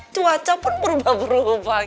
cuaca pun berubah berubah